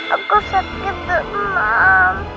aku sakit demam